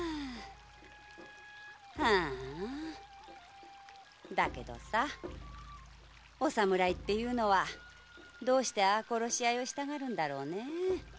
ああだけどさお侍っていうのはどうして殺し合いをしたがるんだろうね。